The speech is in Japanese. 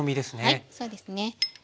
はいそうですね。